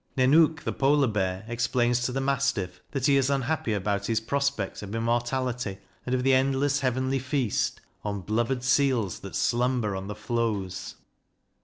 Nennook the Polar Bear explains to the Mastiff that he is unhappy about his prospects of immortality, and of the endless heavenly feast On blubbered seals that slumber on the floes.